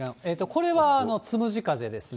これはつむじ風ですね。